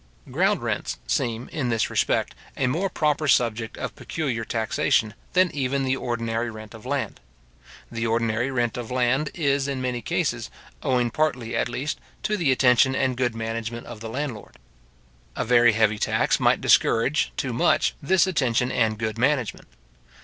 Ground rents seem, in this respect, a more proper subject of peculiar taxation, than even the ordinary rent of land. The ordinary rent of land is, in many cases, owing partly, at least, to the attention and good management of the landlord. A very heavy tax might discourage, too much, this attention and good management.